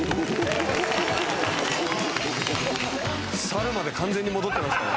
猿まで完全に戻ってましたね。